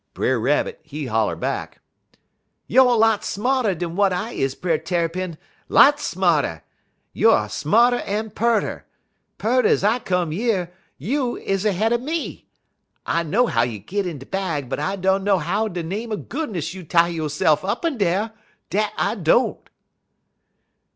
Brer Rabbit, he holler back: "'Youer lots smarter dan w'at I is, Brer Tarrypin lots smarter. Youer smarter en pearter. Peart ez I come yer, you is ahead er me. I know how you git in de bag, but I dunner how de name er goodness you tie yo'se'f up in dar, dat I don't.'